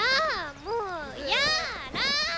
もうやら！